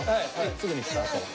すぐにスタート。